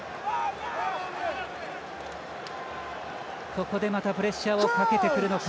ここでまたプレッシャーをかけてくるのか。